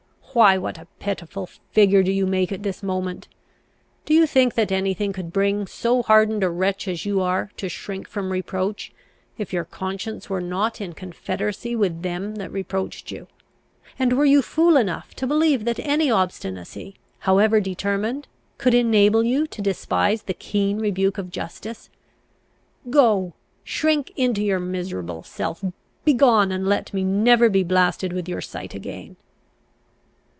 Why, what a pitiful figure do you make at this moment! Do you think that any thing could bring so hardened a wretch as you are to shrink from reproach, if your conscience were not in confederacy with them that reproached you? And were you fool enough to believe that any obstinacy, however determined, could enable you to despise the keen rebuke of justice? Go, shrink into your miserable self! Begone, and let me never be blasted with your sight again!"